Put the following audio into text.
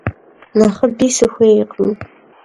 Nexhıbe sıxuêykhım.